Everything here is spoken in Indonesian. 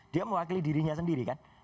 dia mewakili dirinya sendiri kan